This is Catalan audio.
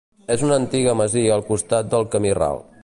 És una antiga masia al costat del camí ral.